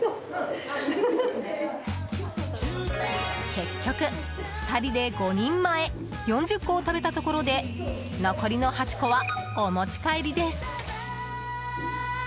結局、２人で５人前４０個を食べたところで残りの８個は、お持ち帰りです。